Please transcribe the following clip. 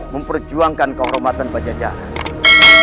memperjuangkan kehormatan penjejara